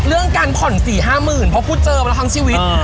เรื่องการผ่อนสี่ห้าหมื่นเพราะกูเจอแล้วทั้งชีวิตอ่า